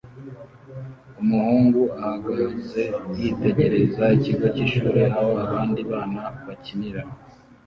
Umuhungu ahagaze yitegereza ikigo cy'ishuri aho abandi bana bakinira